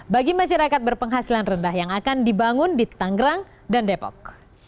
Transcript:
bagi masyarakat berpenghasilan rendah yang akan dibangun di tanggerang dan depok